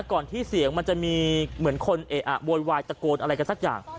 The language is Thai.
ก่อนที่เสียงมันจะมีเหมือนคนเอะอะโวยวายตะโกนอะไรกันสักอย่าง